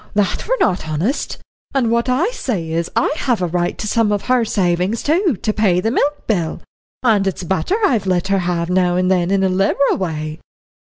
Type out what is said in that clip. That were not honest, and what I say is, that I have a right to some of her savin's, to pay the milk bill and it's butter I've let her have now and then in a liberal way."